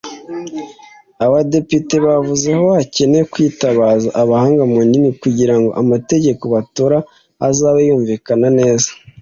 Abadepite bavuze ko hakenewe kwitabaza abahanga mu ndimi kugira ngo amategeko batora azabe yumvikana neza